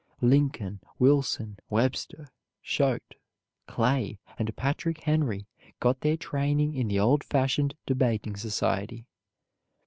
Lincoln, Wilson, Webster, Choate, Clay, and Patrick Henry got their training in the old fashioned Debating Society.